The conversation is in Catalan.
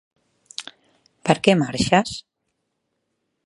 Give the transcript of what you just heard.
Per què marxes?